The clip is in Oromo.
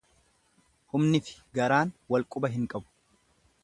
Humnifi garaan wal quba hin qabu.